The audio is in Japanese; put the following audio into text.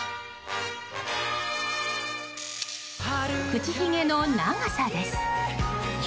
口ひげの長さです。